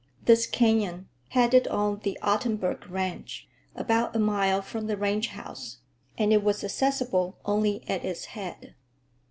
This canyon headed on the Ottenburg ranch, about a mile from the ranch house, and it was accessible only at its head.